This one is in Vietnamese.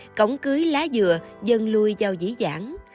trong cuộc sống hiện đại cổng cưới lá dừa dần lùi vào dĩ dãn